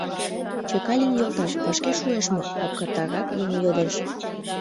— Чекалин йолташ, вашке шуэш мо? — лапкатарак еҥ йодеш.